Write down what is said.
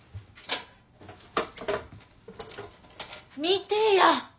見てや。